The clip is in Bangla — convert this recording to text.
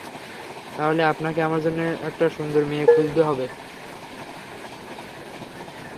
তাহলে আপনাকে আমার জন্য একটা সুন্দর মেয়ে খুঁজতে হবে।